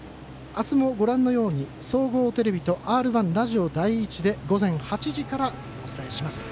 明日もご覧のように総合テレビとＲ１ラジオ第１で午前８時からお伝えします。